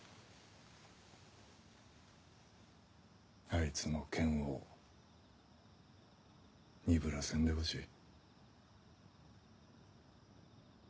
あいつの剣を鈍らせんでほしい。